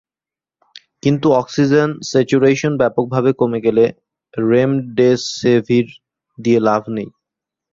কিন্তু oxygen saturation ব্যাপকভাবে কমে গেলে রেমডেসেভির দিয়ে লাভ নেই।